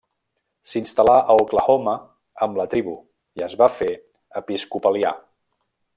S'instal·là a Oklahoma amb la tribu i es va fer episcopalià.